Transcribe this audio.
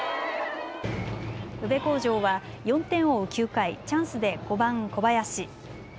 宇部鴻城は４点を追う９回、チャンスで５番・小林。